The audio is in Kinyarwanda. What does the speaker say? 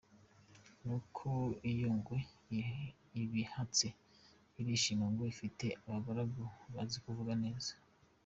Nuko iyo ngwe ibihatse, irishima ngo ifite abagaragu bazi kuvuga neza.